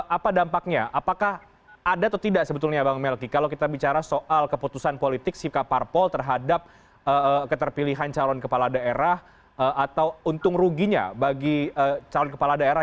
apa dampaknya apakah ada atau tidak sebetulnya bang melki kalau kita bicara soal keputusan politik sikap parpol terhadap keterpilihan calon kepala daerah atau untung ruginya bagi calon kepala daerah